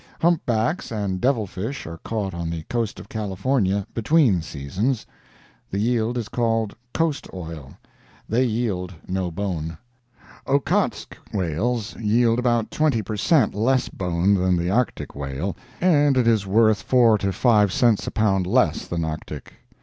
Humpbacks and devil fish are caught on the coast of California, "between seasons." The yield is called "coast oil." They yield no bone. Ockotsk whales yield about twenty per cent. less bone than the Arctic whale, and it is worth four to five cents a pound less than Arctic.